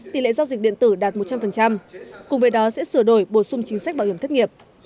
tỷ lệ giao dịch điện tử đạt một trăm linh cùng với đó sẽ sửa đổi bổ sung chính sách bảo hiểm thất nghiệp